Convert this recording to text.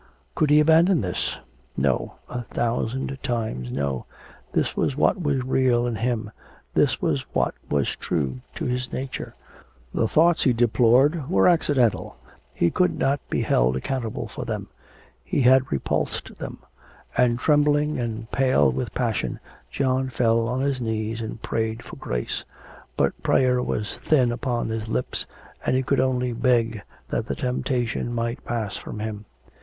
Could he abandon this? No, a thousand times no. This was what was real in him, this was what was true to his nature. The thoughts he deplored were accidental. He could not be held accountable for them. He had repulsed them; and trembling and pale with passion, John fell on his knees and prayed for grace. But prayer was thin upon his lips, and he could only beg that the temptation might pass from him....